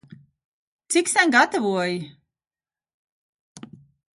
Cik sen gatavoji?